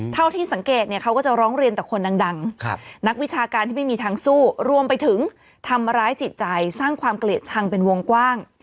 เท่าที่สังเกตเนี่ยเขาก็จะร้องเรียนแต่คนดังนักวิชาการที่ไม่มีทางสู้รวมไปถึงทำร้ายจิตใจสร้างความเกลียดชังเป็นวงกว้าง